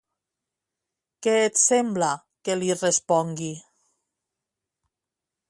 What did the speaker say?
Què et sembla que li respongui?